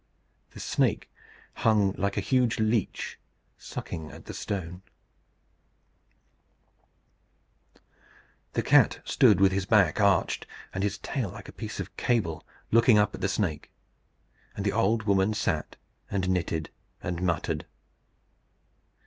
The snake hung like a huge leech, sucking at the stone; the cat stood with his back arched, and his tail like a piece of cable, looking up at the snake; and the old woman sat and knitted and muttered.